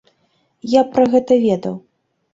Я б пра гэта ведаў.